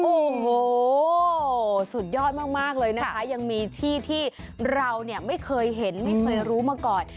โอ้โหสุดยอดมากเลยนะคะยังมีที่ที่เราเนี่ยไม่เคยเห็นไม่เคยรู้มาก่อน